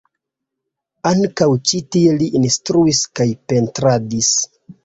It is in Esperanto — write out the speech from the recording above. Ankaŭ ĉi tie li instruis kaj pentradis.